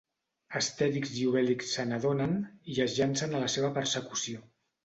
Astèrix i Obèlix se n'adonen i es llancen a la seva persecució.